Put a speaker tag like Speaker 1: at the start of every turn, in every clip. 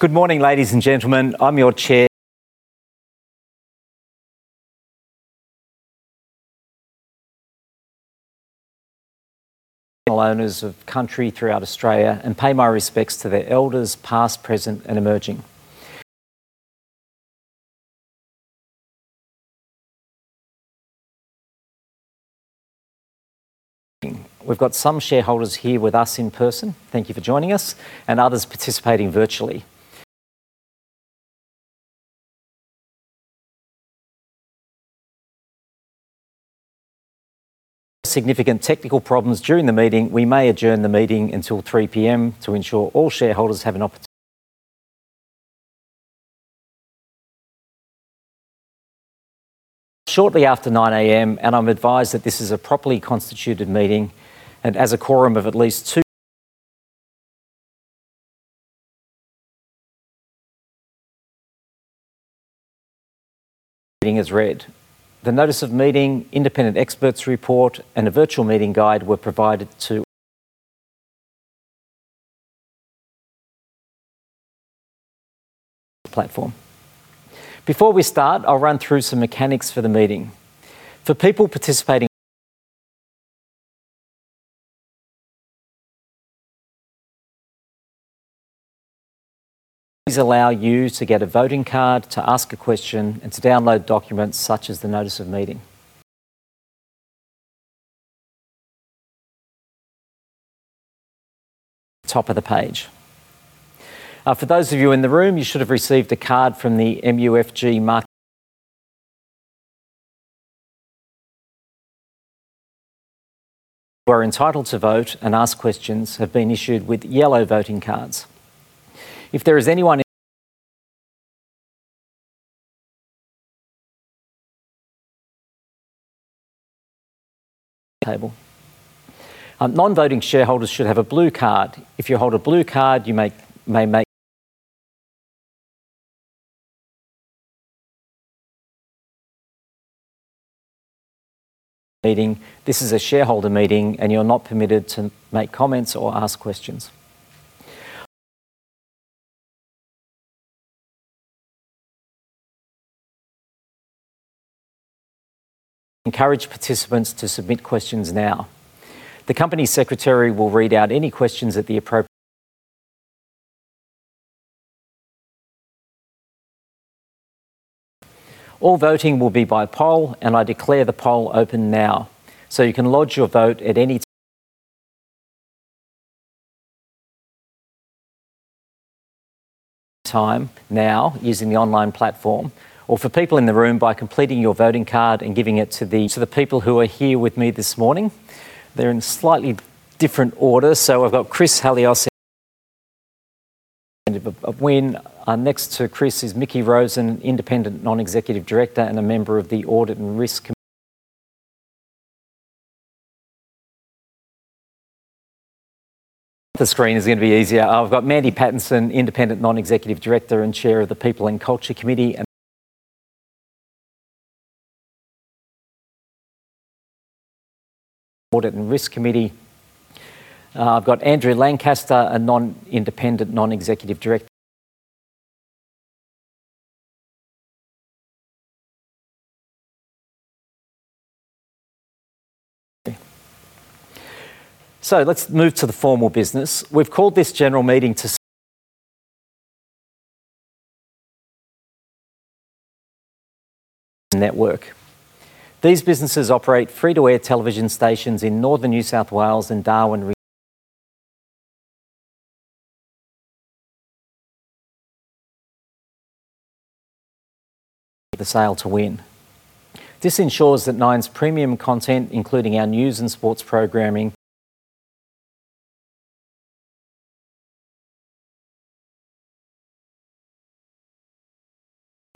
Speaker 1: Good morning, ladies and gentlemen. I'm your chair. Owners of country throughout Australia and pay my respects to their elders past, present, and emerging. We've got some shareholders here with us in person. Thank you for joining us, and others participating virtually. Significant technical problems during the meeting, we may adjourn the meeting until 3:00 P.M. to ensure all shareholders have an opportunity. Shortly after 9:00 A.M., and I'm advised that this is a properly constituted meeting and has a quorum of at least two meeting is read. The notice of meeting, independent expert's report, and a virtual meeting guide were provided to platform. Before we start, I'll run through some mechanics for the meeting. For people participating Please allow you to get a voting card, to ask a question, and to download documents such as the notice of meeting at the top of the page. For those of you in the room, you should have received a card from the MUFG Market who are entitled to vote and ask questions have been issued with yellow voting cards. If there is anyone table. Non-voting shareholders should have a blue card. If you hold a blue card, you may make meeting. This is a shareholder meeting. You're not permitted to make comments or ask questions. Encourage participants to submit questions now. The company secretary will read out any questions at the appropriate time. All voting will be by poll. I declare the poll open now. You can lodge your vote at any time now using the online platform, or for people in the room, by completing your voting card and giving it to the people who are here with me this morning. They're in slightly different order. I've got Chris Halios-Lewis, WIN. Next to Chris is Mickie Rosen, Independent Non-Executive Director and a member of the Audit and Risk Committee. The screen is going to be easier. I've got Mandy Pattinson, Independent Non-Executive Director and Chair of the People and Culture Committee and Audit and Risk Committee. I've got Andrew Lancaster, an Independent Non-Executive Director. Let's move to the formal business. We've called this general meeting to network. These businesses operate free-to-air television stations in northern New South Wales and Darwin re the sale to WIN. This ensures that Nine's premium content, including our news and sports programming.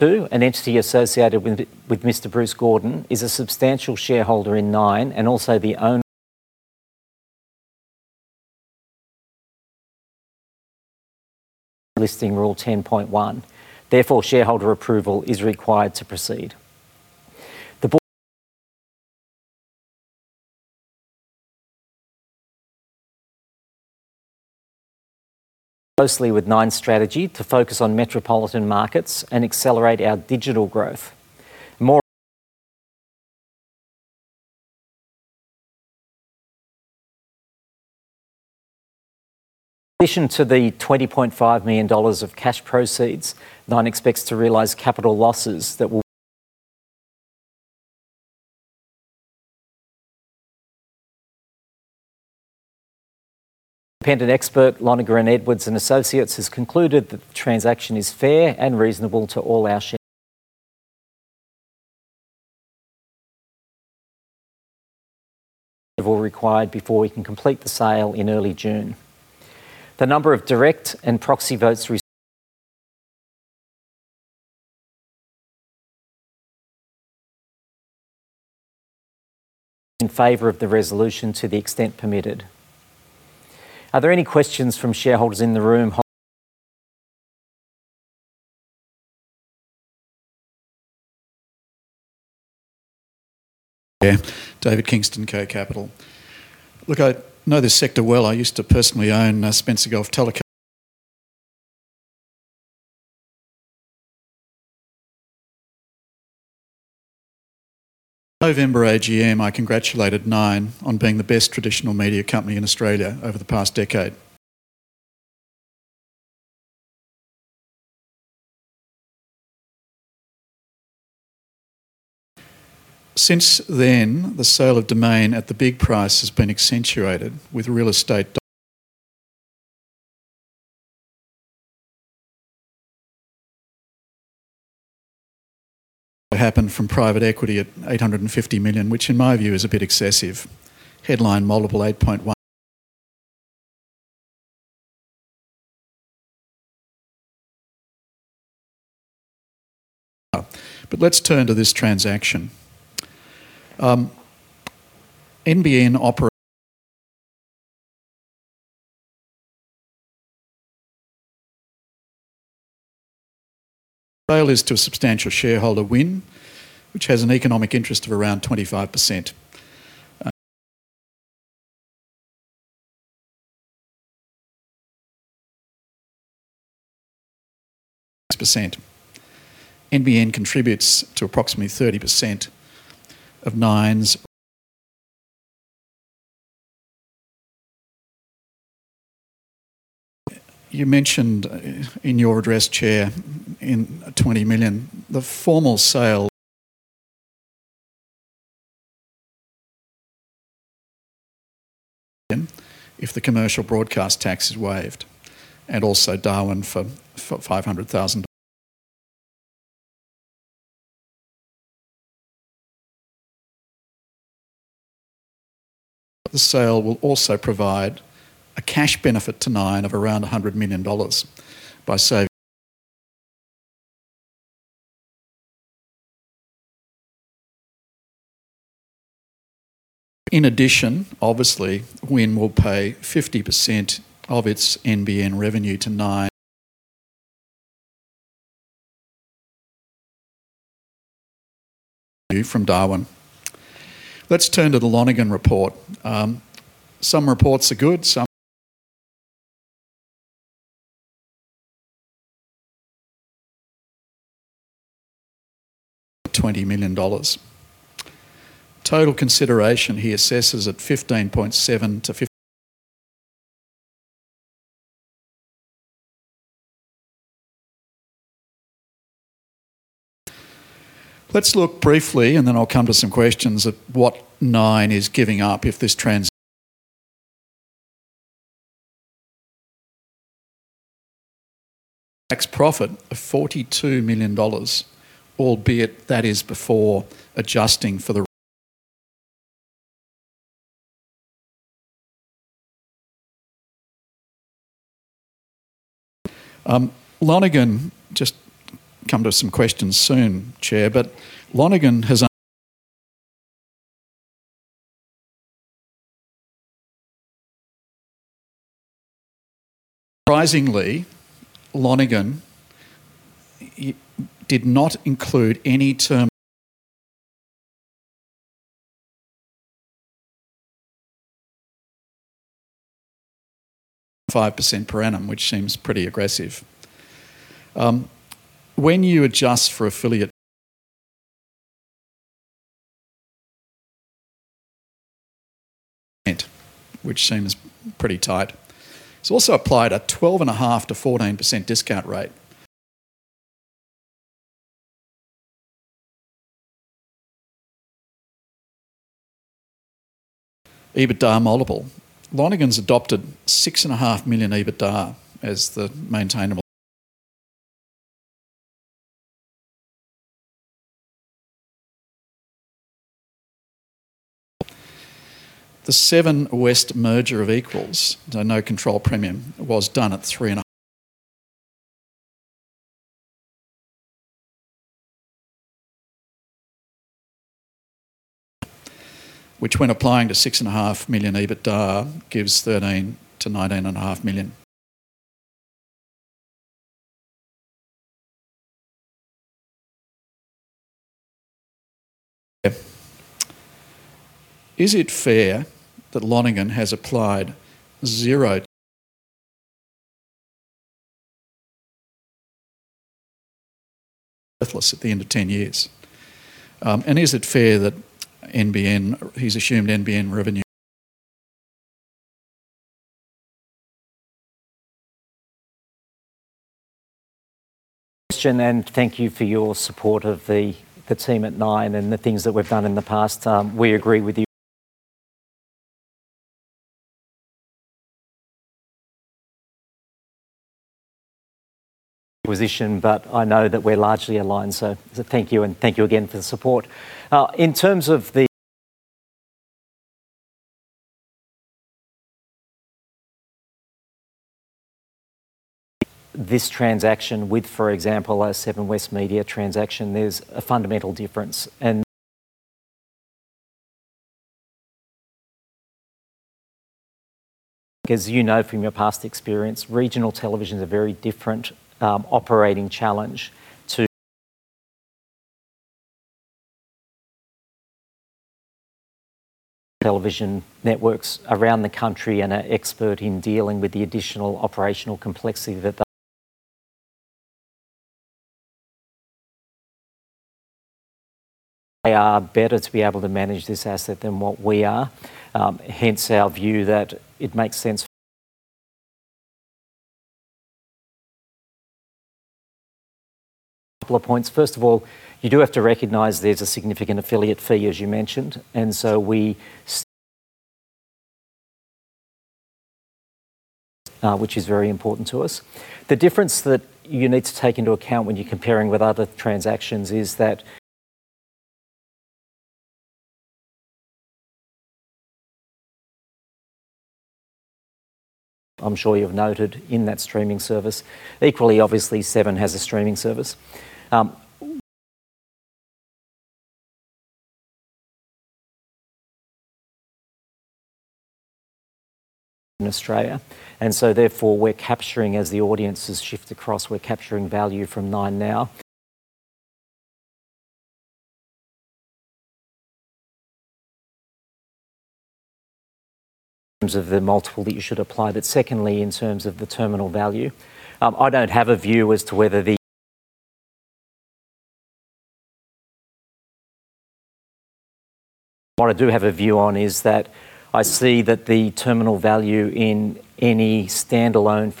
Speaker 1: Two, an entity associated with Mr. Bruce Gordon, is a substantial shareholder in Nine and also the owner. ASX Listing Rule 10.1. Shareholder approval is required to proceed. The board closely with Nine's strategy to focus on metropolitan markets and accelerate our digital growth. In addition to the 20.5 million dollars of cash proceeds, Nine expects to realize capital losses that the independent expert, Lonergan Edwards & Associates, has concluded that the transaction is fair and reasonable to all our shareholder approval required before we can complete the sale in early June. The number of direct and proxy votes received in favor of the resolution to the extent permitted. Are there any questions from shareholders in the room?
Speaker 2: Yeah. David Kingston, K Capital. Look, I know this sector well. I used to personally own Spencer Gulf Telecasters. November AGM, I congratulated Nine on being the best traditional media company in Australia over the past decade. Since then, the sale of Domain at the big price has been accentuated with realestate.com.au to happen from private equity at 850 million, which in my view is a bit excessive. Headline multiple 8.1. Let's turn to this transaction. NBN fail is to a substantial shareholder, WIN, which has an economic interest of around 25%. NBN contributes to approximately 30% of Nine's You mentioned in your address, Chair, in 20 million, the formal sale if the Commercial Broadcasting Tax is waived, and also Darwin for 500,000 dollars. The sale will also provide a cash benefit to Nine of around 100 million dollars. Obviously, WIN will pay 50% of its NBN revenue to Nine. Let's turn to the Lonergan report. Some reports are good. AUD 20 million. Total consideration he assesses at 15.7%-15%. Let's look briefly, and then I'll come to some questions, at what Nine is giving up if this tax profit of 42 million dollars, albeit that is before adjusting for. Lonergan, just come to some questions soon, Chair. Lonergan surprisingly did not include any 5% per annum, which seems pretty aggressive. When you adjust for affiliate, which seems pretty tight. He's also applied a 12.5%-14% discount rate. EBITDA multiple. Lonergan's adopted 6.5 million EBITDA. The Seven West merger of equals, so no control premium, was done at three and a which when applying to 6.5 million EBITDA, gives 13 million-19.5 million. Is it fair that Lonergan has applied worthless at the end of 10 years? Is it fair that he's assumed NBN revenue?
Speaker 1: Question. Thank you for your support of the team at Nine and the things that we've done in the past. We agree with your position. I know that we're largely aligned. Thank you, and thank you again for the support. In terms of this transaction with, for example, a Seven West Media transaction, there's a fundamental difference. I think as you know from your past experience, regional television is a very different operating challenge to television networks around the country and are expert in dealing with the additional operational complexity that they are better to be able to manage this asset than what we are. Hence our view that it makes sense. A couple of points. First of all, you do have to recognize there's a significant affiliate fee, as you mentioned, which is very important to us. The difference that you need to take into account when you're comparing with other transactions is that I'm sure you've noted in that streaming service. Equally, obviously, Seven has a streaming service. In Australia, and so therefore we're capturing, as the audiences shift across, we're capturing value from Nine in terms of the multiple that you should apply, secondly, in terms of the terminal value. I don't have a view as to whether What I do have a view on is that I see that the terminal value in any standalone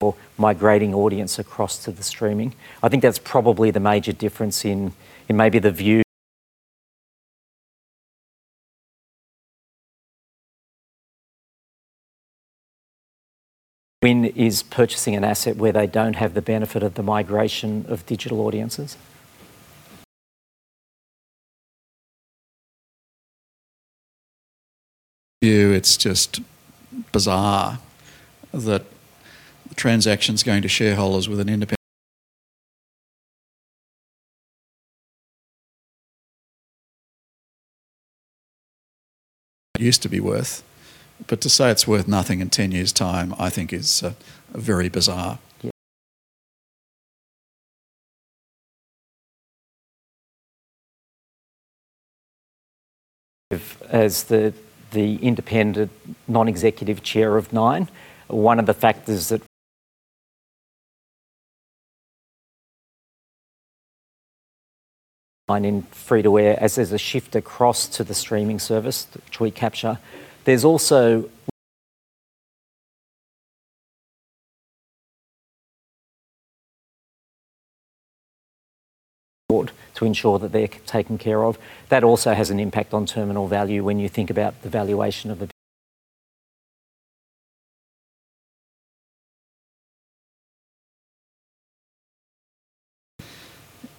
Speaker 1: or migrating audience across to the streaming. I think that's probably the major difference in maybe the view. WIN is purchasing an asset where they don't have the benefit of the migration of digital audiences.
Speaker 2: View, it's just bizarre that the transaction's going to shareholders with an indepen-. It used to be worth. To say it's worth nothing in 10 years' time, I think is very bizarre.
Speaker 1: As the Independent Non-Executive Chair of Nine in free-to-air, as there's a shift across to the streaming service, which we capture. There's board to ensure that they're taken care of. That also has an impact on terminal value when you think about the valuation of.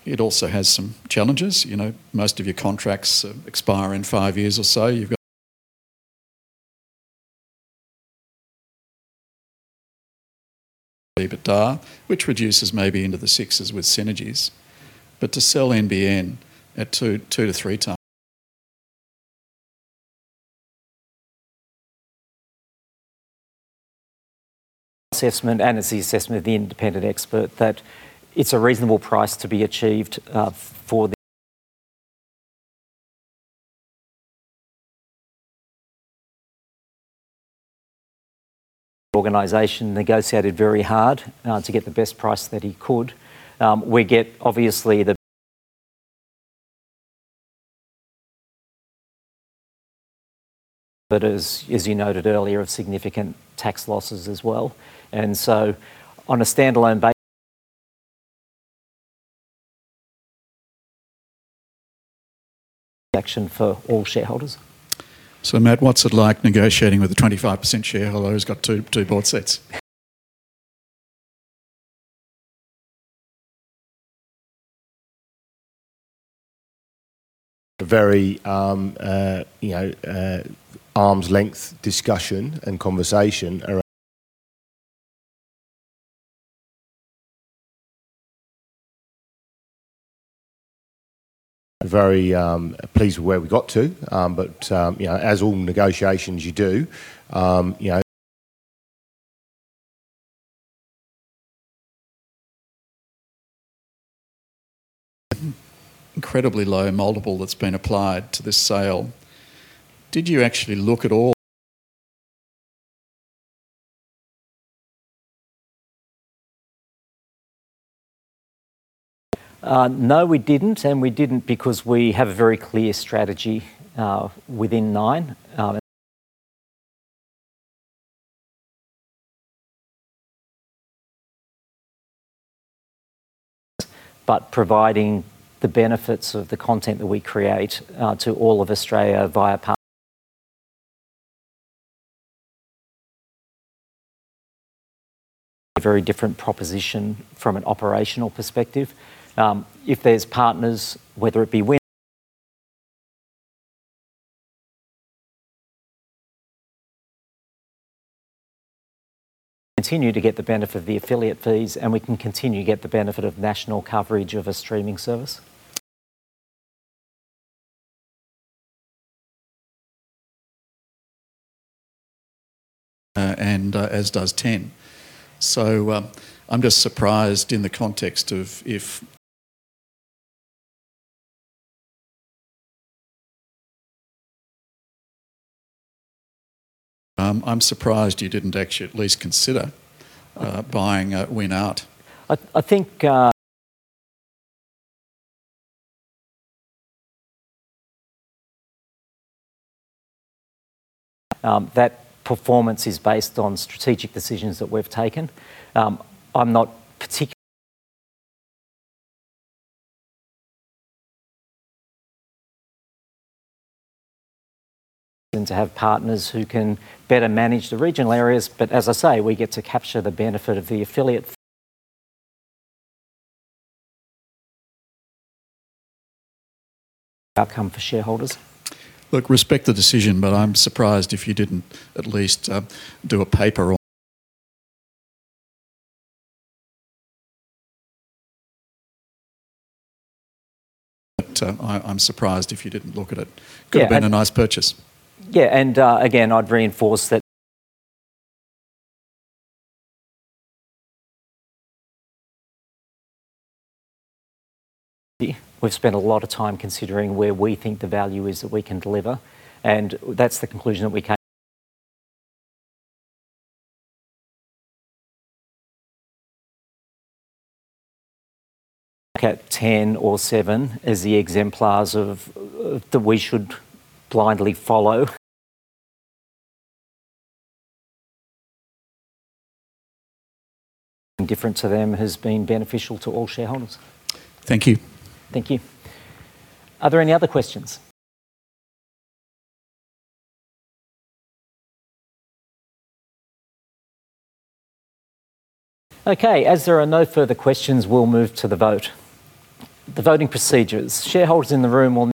Speaker 2: It also has some challenges. Most of your contracts expire in five years or so. EBITDA, which reduces maybe into the sixes with synergies. To sell NBN at 2x-3x.
Speaker 1: Assessment, it's the assessment of the independent expert that it's a reasonable price to be achieved, for organization negotiated very hard to get the best price that he could. We get obviously, as you noted earlier, of significant tax losses as well. On a standalone transaction for all shareholders.
Speaker 2: Matt, what's it like negotiating with a 25% shareholder who's got two board seats?
Speaker 3: Had a very arm's length discussion and conversation, very pleased with where we got to. As all negotiations you do, you know.
Speaker 2: Incredibly low multiple that's been applied to this sale.
Speaker 1: No, we didn't. We didn't because we have a very clear strategy within Nine. Providing the benefits of the content that we create to all of Australia via a very different proposition from an operational perspective. If there's partners, whether it be WIN continue to get the benefit of the affiliate fees, and we can continue to get the benefit of national coverage of a streaming service.
Speaker 2: As does Ten. I'm just surprised you didn't actually at least consider buying WIN out.
Speaker 1: I think That performance is based on strategic decisions that we've taken. To have partners who can better manage the regional areas. As I say, we get to capture the benefit of the affiliate fee for shareholders.
Speaker 2: Look, respect the decision, but I'm surprised if you didn't look at it.
Speaker 1: Yeah.
Speaker 2: Could've been a nice purchase.
Speaker 1: Yeah. Again, I'd reinforce that We've spent a lot of time considering where we think the value is that we can deliver, and that's the conclusion that we came Look at Ten or Seven as the exemplars of that we should blindly follow. Indifferent to them has been beneficial to all shareholders.
Speaker 2: Thank you.
Speaker 1: Thank you. Are there any other questions? Okay, as there are no further questions, we'll move to the vote. The voting procedures. The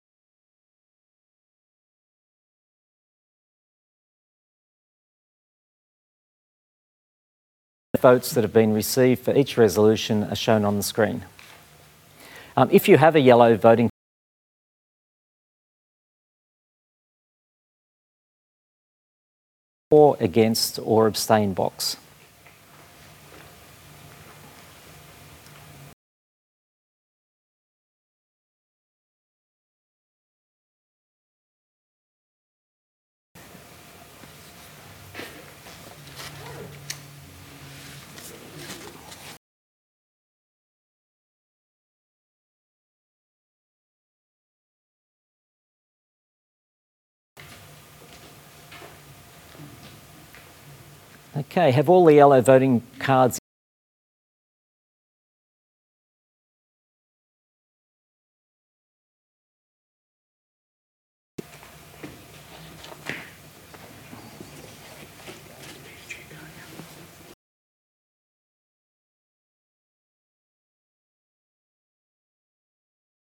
Speaker 1: votes that have been received for each resolution are shown on the screen. If you have a yellow voting For, Against, or Abstain box. Okay, have all the yellow voting cards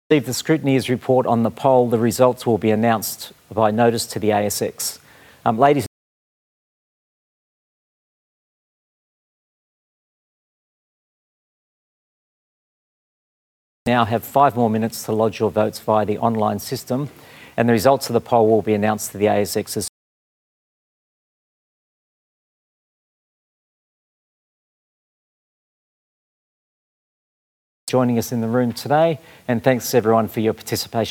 Speaker 1: Leave the Scrutineers' report on the poll. The results will be announced via notice to the ASX. Ladies, now have five more minutes to lodge your votes via the online system. The results of the poll will be announced to the ASX as Joining us in the room today. Thanks everyone for your participation.